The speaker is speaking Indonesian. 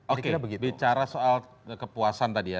oke bicara soal kepuasan tadi ya